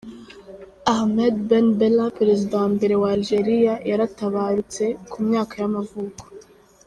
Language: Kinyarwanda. Ahmed Ben Bella, perezida wa mbere wa Algeria yaratabarutse, ku myaka y’amavuko.